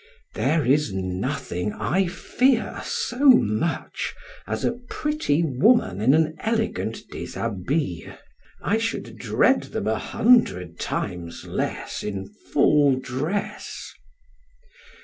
There is nothing I fear so much as a pretty woman in an elegant dishabille; I should dread them a hundred times less in full dress.